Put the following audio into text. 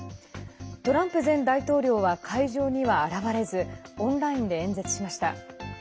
トランプ前大統領は会場には現れずオンラインで演説しました。